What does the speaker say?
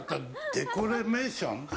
デコレメーション？